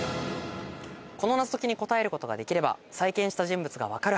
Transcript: この謎解きに答えることができれば再建した人物が分かるはず。